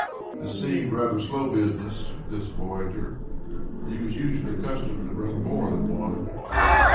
This seemed rather slow business with this voyager, for he was usually accustomed to bringing more than one.